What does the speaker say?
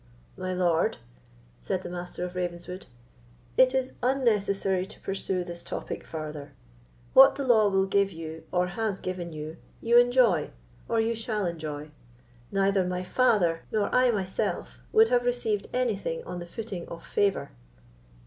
"My lord," said the Master of Ravenswood, "it is unnecessary to pursue this topic farther. What the law will give you, or has given you, you enjoy—or you shall enjoy; neither my father nor I myself would have received anything on the footing of favour."